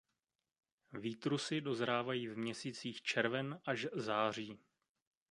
Výtrusy dozrávají v měsících červen až září.